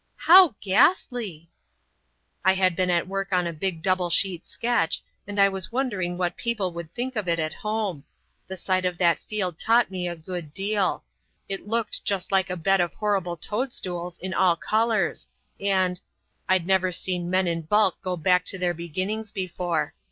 "How ghastly!" "I had been at work on a big double sheet sketch, and I was wondering what people would think of it at home. The sight of that field taught me a good deal. It looked just like a bed of horrible toadstools in all colours, and—I'd never seen men in bulk go back to their beginnings before.